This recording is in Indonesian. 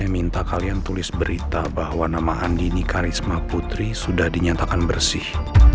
minta kalian tulis berita bahwa nama andi nika risma putri sudah dinyatakan bersih